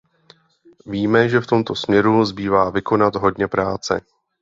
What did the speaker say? Víme, že v tomto směru zbývá vykonat hodně práce.